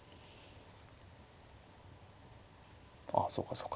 あそうかそうか。